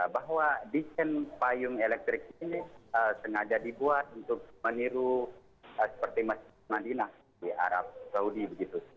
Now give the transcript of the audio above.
bahwa desain payung elektrik ini sengaja dibuat untuk meniru seperti masjid madinah di arab saudi begitu